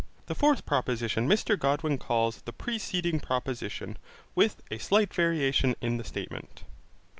The fourth proposition Mr Godwin calls the preceding proposition, with a slight variation in the statement.